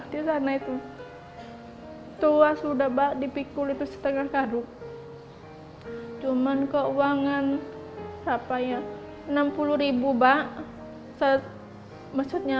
di sana itu tua sudah bak di pikul itu setengah kaduk cuman keuangan rapaya enam puluh bak set mesutnya